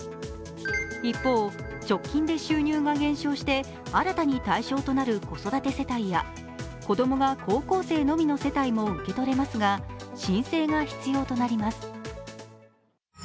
一方、直近で収入が減少して新たに対象となる子育て世帯や子供が高校生のみの世帯も受け取れますが、申請が必要となります。